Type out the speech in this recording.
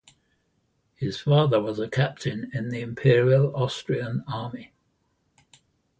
His father was a captain in the Imperial Austrian Army.